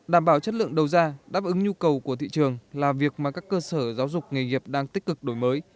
đảm bảo chất lượng đầu ra đáp ứng nhu cầu của thị trường là việc mà các cơ sở giáo dục nghề nghiệp đang tích cực đổi mới